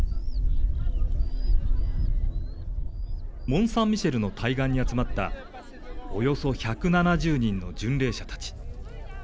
モンサンミシェルの対岸に集まった、およそ１７０人の巡礼者たち。